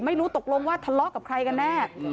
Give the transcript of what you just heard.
ไม่รู้ตกลงว่าทะเลาะกับใครกันแน่